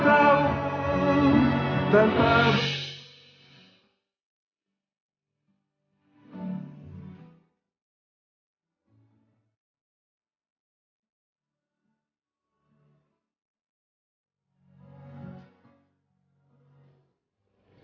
aku jangan berani